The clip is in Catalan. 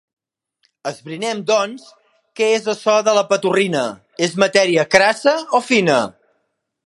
Esbrinem, doncs, què és açò de la petorrina; és matèria crassa o fina?